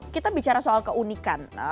kita bicara soal keunikan